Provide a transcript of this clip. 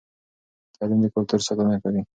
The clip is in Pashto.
تعلیم د کلتور ساتنه کوي.